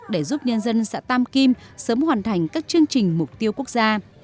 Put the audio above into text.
để giúp nhân dân xã tam kim sớm hoàn thành các chương trình mục tiêu quốc gia